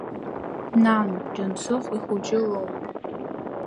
Нану, Џьансыхә ихәыҷы лоуп.